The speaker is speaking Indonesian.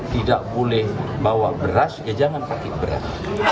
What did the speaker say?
tidak boleh bawa beras ya jangan pakai beras